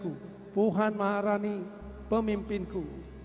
kupuhan marani pemimpinku